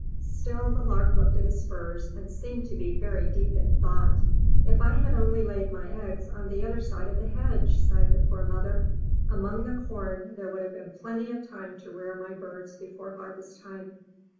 Still the Lark looked at his spurs, and seemed to be very deep in thought. *lf I had only laid my eggs on the other side of the hedge,*' sighed the poor mother., ''Among the corn, there would have been plenty of ti ne to rear my birds before harvest time.